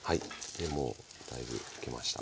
でもうだいぶ焼けました。